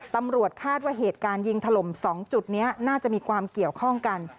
ตำรวจคาดว่าเหตุการณ์ยิงถล่ม๒จุดนี้น่าจะมีความเกี่ยวข้องกัน